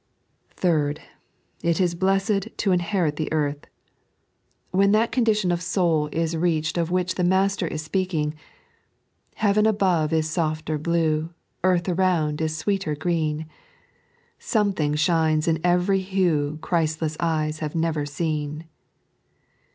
Third, it is blessed to inherit the earth. When that 3.n.iized by Google The Secret op the Lord. 19 condition of booI is reached of which the Master is speaking, Heaven above is sorter blue, Earth around is sweeUr green ; Something shines in every hue Chrutleas eyes have never aeen.